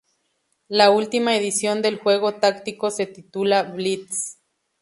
La última edición del juego táctico se titula "Blitz!".